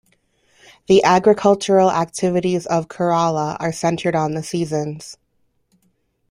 The agricultural activities of Kerala are centred on the seasons.